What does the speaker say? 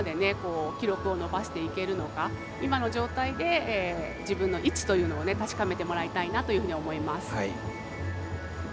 記録を伸ばしていけるのか今の状態で自分の位置というのを確かめてもらいたいなというふうに思います。